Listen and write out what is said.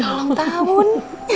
selamat ulang tahun